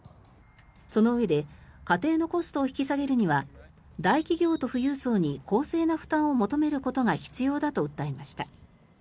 そのうえで家庭のコストを引き下げるには大企業と富裕層に公正な負担を求めることが必要だと訴えました。